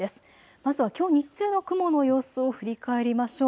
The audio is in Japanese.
まずはきょう日中の雲の様子を振り返りましょう。